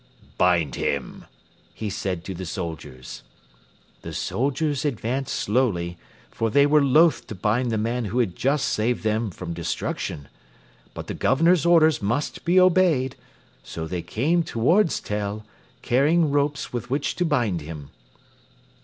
"Bind him," he said to the soldiers. The soldiers advanced slowly, for they were loath to bind the man who had just saved them from destruction. But the Governor's orders must he obeyed, so they came towards Tell, carrying ropes with which to bind him.